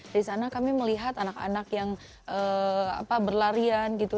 di sana kami melihat anak anak yang berlarian gitu